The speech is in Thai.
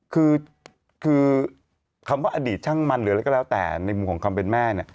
คือคำว่าอดีตช่างมันหรืออะไรก็แล้วแต่ในมุมของความเป็นแม่เนี่ย